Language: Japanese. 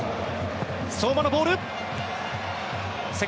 相馬のボール。